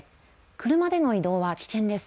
車での移動は危険です。